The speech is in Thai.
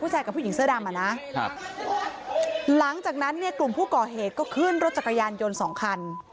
หลังจากนั้นกลุ่มผู้ก่อเหตุก็ขึ้นรถจักรยานยนต์สองคัน